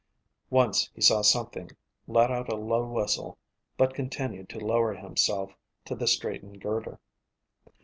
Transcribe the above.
Once he saw something, let out a low whistle, but continued to lower himself to the straightened girder.